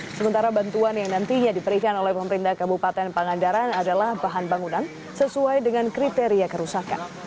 sementara bantuan yang nantinya diberikan oleh pemerintah kabupaten pangandaran adalah bahan bangunan sesuai dengan kriteria kerusakan